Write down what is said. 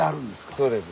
そうです。